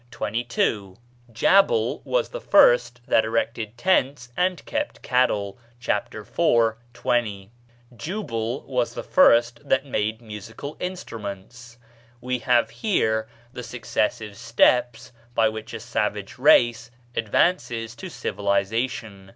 22); Jabal was the first that erected tents and kept cattle (chap. iv., 20); Jubal was the first that made musical instruments. We have here the successive steps by which a savage race advances to civilization.